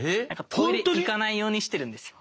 トイレ行かないようにしてるんですよ。